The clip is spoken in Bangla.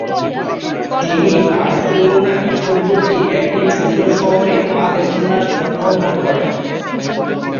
তিনি বার্সেলোনার নিকটবর্তী একটি ছোট শহর আলেল্লায় জন্মগ্রহণ করেন।